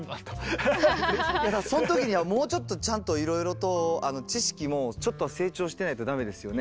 その時にはもうちょっとちゃんといろいろと知識もちょっとは成長してないと駄目ですよね。